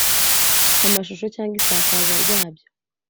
amashusho cyangwa isakaza ryabyo